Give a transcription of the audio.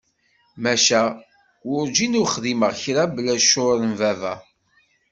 Maca! Werǧin i xdimeɣ kra bla ccur n baba.